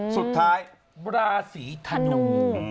สุดท้ายราศีธนู